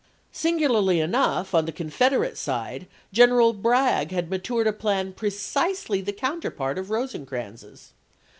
Singularly enough, on the Confederate side General Bragg had matured a plan precisely the counterpart of Rosecrans's.